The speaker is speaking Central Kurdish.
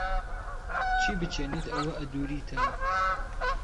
چی بچێنیت ئهوه ئهدووریتهوه